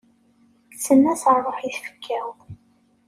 Kksen-as rruḥ i tfekka-w.